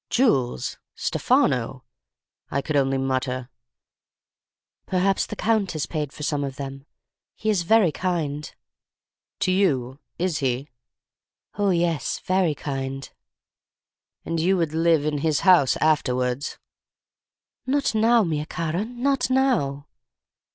"'Jewels! Stefano!' I could only mutter. "'Perhaps the Count has paid for some of them. He is very kind.' "'To you, is he?' "'Oh, yes, very kind.' "'And you would live in his house afterwards?' "'Not now, mia cara—not now!